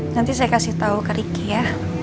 nanti saya kasih tau ke riki ya